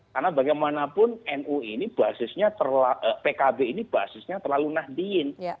karena bagaimanapun nu ini basisnya pkb ini basisnya terlalu nah diin